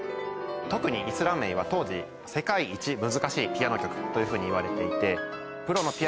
特に『イスラメイ』は当時世界一難しいピアノ曲というふうにいわれていて。